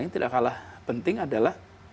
yang tidak kalah penting adalah